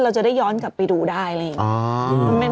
เราจะได้ย้อนกลับไปดูได้เลย